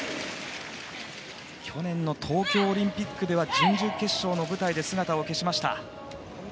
去年の東京オリンピックでは準々決勝の舞台で姿を消しました。